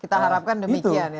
kita harapkan demikian ya